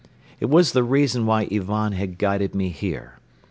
It was the reason why Ivan had guided me here.